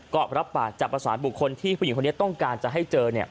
ก็รับปากจะประสานบุคคลที่ผู้หญิงคนนี้ต้องการจะให้เจอ